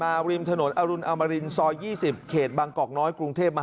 แล้วขี่มอเตอร์ไซด์มาด้วยนะ